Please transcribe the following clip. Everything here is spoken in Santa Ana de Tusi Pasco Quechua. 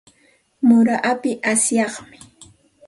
Muray api asyami.